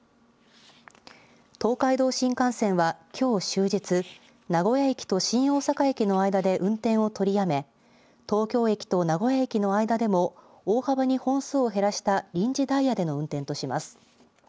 東海道新幹線はきょう終日名古屋駅と新大阪駅の間で運転を取りやめ東京駅と名古屋駅の間でも大幅に本数を減らした臨時ダイヤでの運転とします。